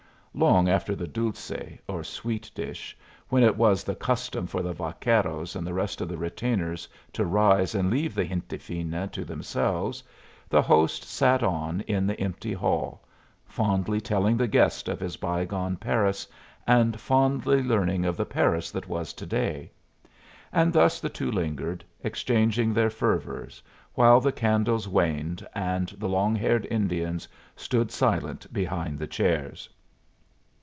Long after the dulce, or sweet dish, when it was the custom for the vaqueros and the rest of the retainers to rise and leave the gente fina to themselves, the host sat on in the empty hall, fondly telling the guest of his bygone Paris, and fondly learning of the Paris that was to day. And thus the two lingered, exchanging their fervors, while the candles waned, and the long haired Indians stood silent behind the chairs.